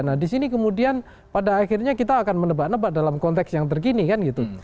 nah disini kemudian pada akhirnya kita akan menebak nebak dalam konteks yang terkini kan gitu